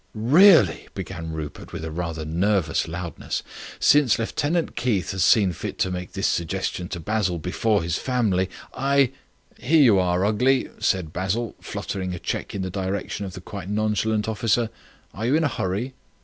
"Really," began Rupert, with a rather nervous loudness, "since Lieutenant Keith has seen fit to make this suggestion to Basil before his family, I " "Here you are, Ugly," said Basil, fluttering a cheque in the direction of the quite nonchalant officer. "Are you in a hurry?"